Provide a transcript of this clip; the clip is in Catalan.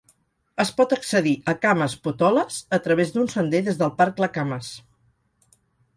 Es pot accedir a Camas Potholes a través d'un sender des del parc Lacamas.